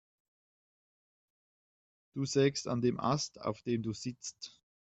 Du sägst an dem Ast, auf dem du sitzt.